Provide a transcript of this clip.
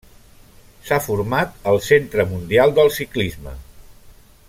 S'ha format al Centre mundial del ciclisme.